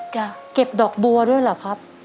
เก็บดอกบัวด้วยเหรอครับ